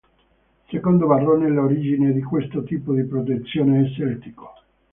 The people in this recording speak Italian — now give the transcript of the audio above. Secondo Varrone l'origine di questo tipo di protezione è celtico.